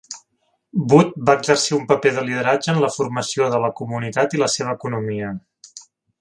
Wood va exercir un paper de lideratge en la formació de la comunitat i la seva economia.